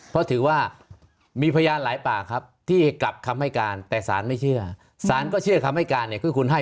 เพราะถือว่ามีพยานหลายปากครับที่กลับคำให้การแต่สารไม่เชื่อสารก็เชื่อคำให้การเนี่ยคือคุณให้